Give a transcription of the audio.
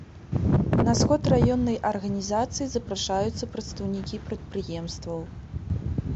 На сход раённай арганізацыі запрашаюцца прадстаўнікі прадпрыемстваў.